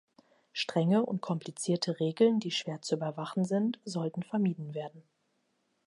Strenge und komplizierte Regeln, die schwer zu überwachen sind, sollten vermieden werden.